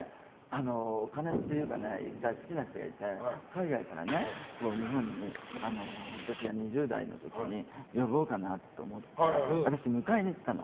お金というか１回、好きな人がいて、海外から日本に私が２０代の時に呼ぼうかなと思って私迎えに行ったの。